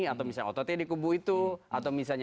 atau misalnya ott di kubu itu atau misalnya